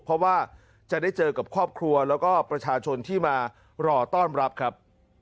เพราะว่าจะได้เจอกับครอบครัวแล้วก็ประชาชนที่มารอต้อนรับครับ